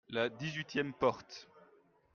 la dix-huitième porte.